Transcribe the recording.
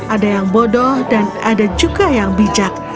ada yang bodoh dan ada juga yang bijak